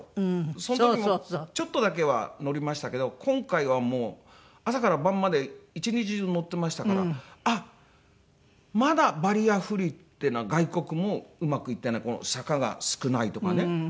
その時もちょっとだけは乗りましたけど今回はもう朝から晩まで一日中乗ってましたからあっまだバリアフリーっていうのは外国もうまくいってない坂が少ないとかね。